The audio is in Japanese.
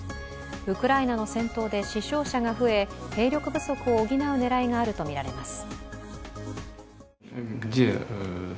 ウクライナの戦闘で死傷者が増え兵力不足を補う狙いがあるとみられます。